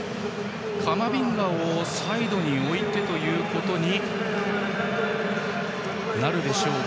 カマビンガをサイドに置くことになるでしょうか。